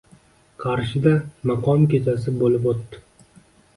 Qarshida maqom kechasi boʻlib oʻtdi